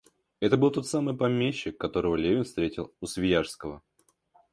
Это был тот самый помещик, которого Левин встретил у Свияжского.